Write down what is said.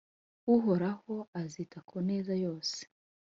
Uhoraho azita ku neza yose,